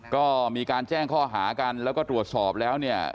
ก็มีการแจ้งข้อหากันแล้วก็ตรวจสอบแล้วเนี่ย